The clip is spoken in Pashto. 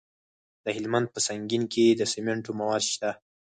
د هلمند په سنګین کې د سمنټو مواد شته.